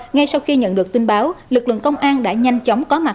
ngay sau khi nhận được tin báo lực lượng công an đã nhanh chóng có mặt